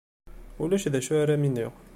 Ulac d acu ara am-iniɣ.